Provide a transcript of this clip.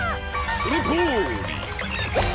そのとおり！